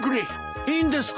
いいんですか？